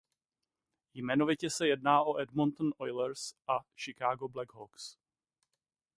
Jmenovitě se jedná o Edmonton Oilers a Chicago Blackhawks.